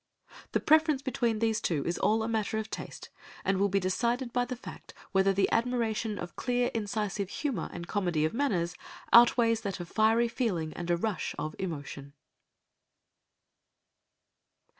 The preference between these two is all a matter of taste, and will be decided by the fact whether the admiration of clear incisive humour and comedy of manners outweighs that of fiery feeling and a rush of emotion.